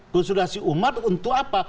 konsilidasi umat untuk apa